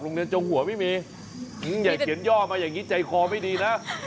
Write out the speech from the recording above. โรงเรียนจงหัวไม่มีอย่าเขียนย่อมาอย่างนี้ใจคอไม่ดีนะ